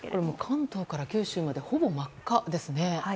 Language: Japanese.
関東から九州までほぼ真っ赤ですね。